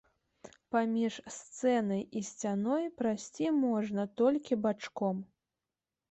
Паміж сцэнай і сцяной прайсці можна толькі бачком.